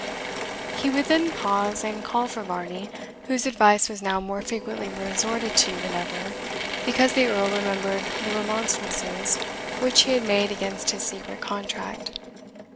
He would then pause, and call for Varney, whose advice was now more frequently resorted to than ever, because the Earl remembered the remonstrances which he had made against his secret contract.